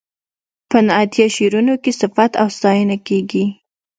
په نعتیه شعرونو کې صفت او ستاینه کیږي.